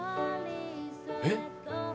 えっ。